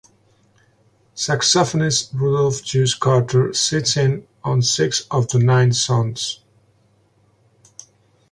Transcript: Saxophonist Rudolph "Juicy" Carter sits in on six of the nine songs.